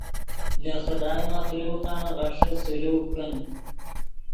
لے خدائے مخلوقن غیݰے سلوک کن